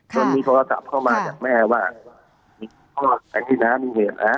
จนมีโทรศัพท์เข้ามาจากแม่ว่ามีข้อแข่งที่น้ำมีเหตุ